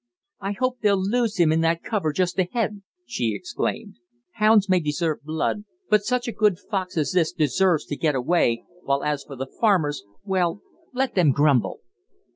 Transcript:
"I hope they'll lose him in that cover just ahead," she exclaimed. "Hounds may deserve blood, but such a good fox as this deserves to get away, while as for the farmers well, let them grumble!"